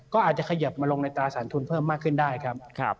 ก็อาจจะขยับมาลงในตราสารทุนเพิ่มมากขึ้นได้ครับ